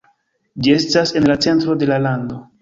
Ĝi estas en la centro de la lando.